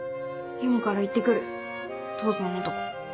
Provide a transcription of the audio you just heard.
今から行って来る父さんのとこ。